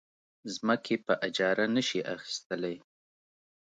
ځمکې په اجاره نه شي اخیستلی.